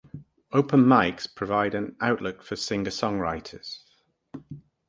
Open mics provide an outlet for singer-songwriters.